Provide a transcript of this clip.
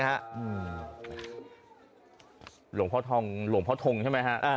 หลวงพ่อทองหลวงพ่อทงใช่ไหมฮะ